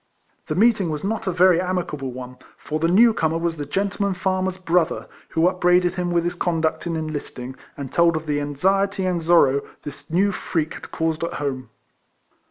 The meeting was not a very amicable one, for the new comer was the gentleman far mer's brother, who upbraided him with his conduct in enlisting, and told of the anxiety and sorrow this new freak had caused at home.